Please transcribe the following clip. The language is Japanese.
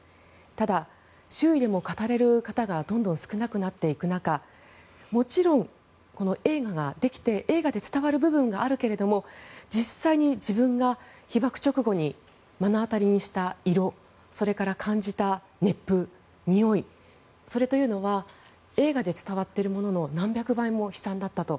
ただ、周囲でも語られる方がどんどん少なくなっていく中もちろん、映画ができて映画で伝わる部分はあるけれども実際に、自分が被爆直後に目の当たりにした色それから感じた熱風、においそれというのは映画で伝わっているものの何百倍も悲惨だったと。